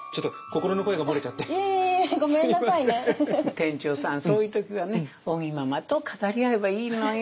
店長さんそういう時はね尾木ママと語り合えばいいのよ